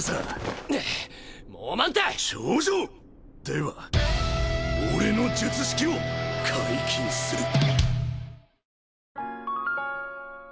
では俺の術式を解禁する。